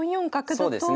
そうですね。